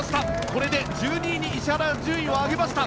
これで１２位に石原が順位を上げました。